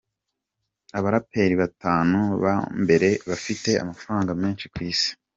Abaraperi batanu ba mbere bafite amafaranga menshi ku Isi:.